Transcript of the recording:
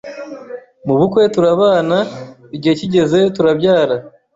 mu bukwe turabana, igihe kigeze turabyara,